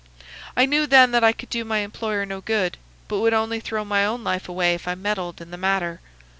I knew then that I could do my employer no good, but would only throw my own life away if I meddled in the matter.